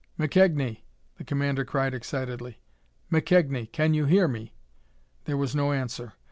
"McKegnie!" the commander cried excitedly. "McKegnie, can you hear me?" There was no answer.